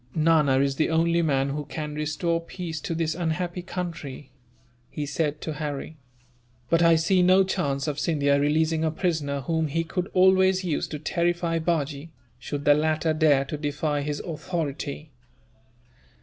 "Nana is the only man who can restore peace to this unhappy country," he said to Harry, "but I see no chance of Scindia releasing a prisoner whom he could always use to terrify Bajee, should the latter dare to defy his authority."